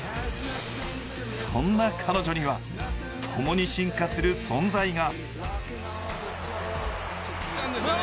そんな彼女には、ともに進化する存在が。